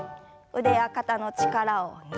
腕や肩の力を抜いて。